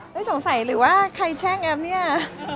สงสัยหรือว่าใครแช่งแอฟเนี่ย